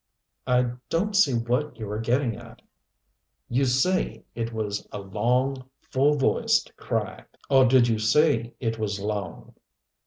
"I don't see what you are getting at." "You say it was a long, full voiced cry. Or did you say it was long?"